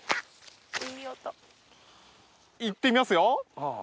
いい音！いってみますよ。